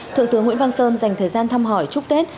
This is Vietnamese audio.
thượng tướng nguyễn văn sơn dành thời gian thăm hỏi chúc tết